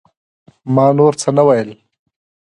ما نور څه ونه ويل.